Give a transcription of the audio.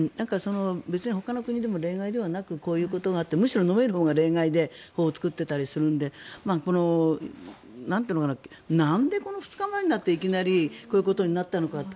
別にほかの国でも例外ではなくむしろ飲めるほうが例外で法を作っていたりするのでなんでこの２日前になっていきなりこういうことになったのかって